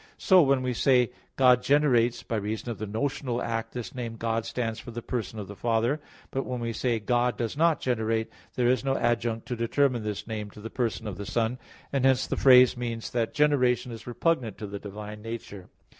So, when we say, "God generates," by reason of the notional act this name "God" stands for the person of the Father. But when we say, "God does not generate," there is no adjunct to determine this name to the person of the Son, and hence the phrase means that generation is repugnant to the divine nature.